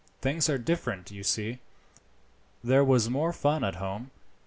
Things are different, you see. There was more fun at home.